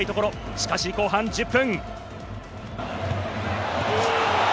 しかし後半１０分。